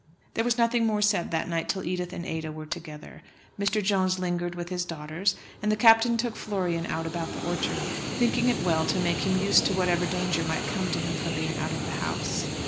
There was nothing more said that night till Edith and Ada were together. Mr. Jones lingered with his daughters, and the Captain took Florian out about the orchard, thinking it well to make him used to whatever danger might come to him from being out of the house.